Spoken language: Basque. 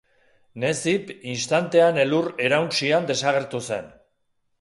Necip istantean elur-erauntsian desagertu zen.